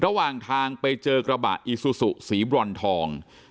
ระหว่างทางไปเจอกระบะอีซูซูสีบรอนทอง